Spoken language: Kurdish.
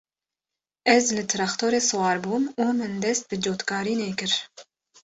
Ez li trextorê siwar bûm û min dest bi cotkirinê kir.